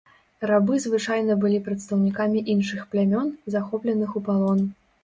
Рабы звычайна былі прадстаўнікамі іншых плямён, захопленых у палон.